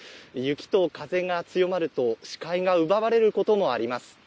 雪と風が強まると視界が奪われることもあります。